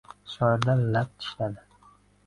Shoirlar lab tishladi.